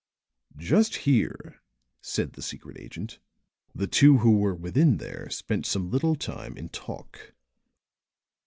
"Just here," said the secret agent, "the two who were within there spent some little time in talk.